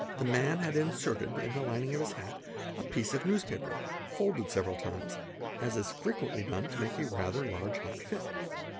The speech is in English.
'The man had inserted' in the ning of his hat, a piece of newspaper, folded several times, as is fre ently done to make a rather large hat fit.